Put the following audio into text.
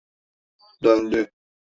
Döndü!